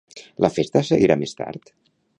La festa seguirà més tard?